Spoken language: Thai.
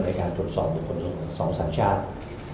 ในการตรวจสอบบุคคลสองสัญชาติ